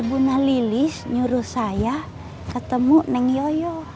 bu na lilis nyuruh saya ketemu neng yoyo